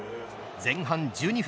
前半１２分。